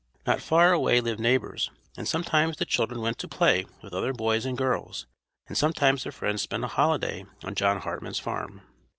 Not far away lived neighbors, and sometimes the children went to play with other boys and girls, and sometimes their friends spent a holiday on John Hartman's farm.